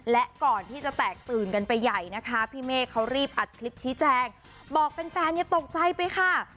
และก่อนที่จะแตกตื่นกันไปใหญ่นะคะพี่เมฆเขารีบอัดคลิปชี้แจงบอกแฟนอย่าตกใจไปค่ะ